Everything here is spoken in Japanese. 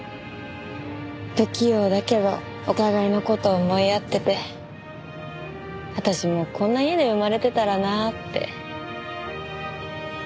不器用だけどお互いの事を思い合ってて私もこんな家に生まれてたらなって。